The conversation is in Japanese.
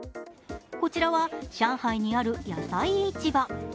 こちらは上海にある野菜市場。